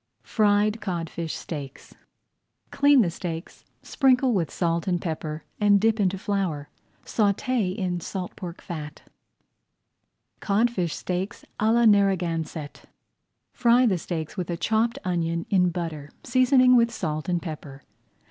FRIED CODFISH STEAKS Clean the steaks, sprinkle with salt and pepper, and dip into flour. Sauté in salt pork fat. CODFISH STEAKS À LA NARRAGANSETT Fry the steaks with a chopped onion in butter, seasoning with salt and pepper.